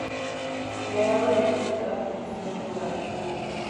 Creador del portal Edición Rural.